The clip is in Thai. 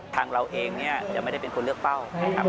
ทางเราเองจะไม่ได้เป็นคนเลือกเป้า